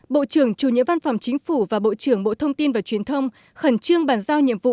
bộ trưởng chủ nhiệm văn phòng chính phủ và bộ trưởng bộ thông tin và truyền thông khẩn trương bàn giao nhiệm vụ